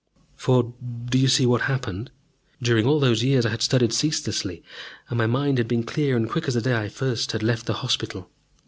For do you see what happened? During all those years I had studied ceaselessly, and my mind had been clear and quick as the day I first had left the hospital.